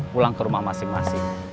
pulang ke rumah masing masing